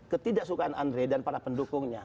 ketidaksukaan andre dan para pendukungnya